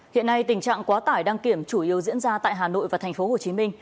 hiện nay tình trạng quá tải đăng kiểm chủ yếu diễn ra tại hà nội và tp hcm